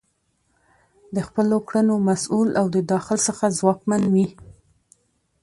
د خپلو کړنو مسؤل او د داخل څخه ځواکمن وي.